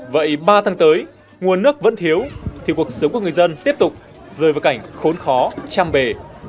vậy ba tháng tới nguồn nước vẫn thiếu thì cuộc sống của người dân tiếp tục rơi vào cảnh khốn khó chăm bề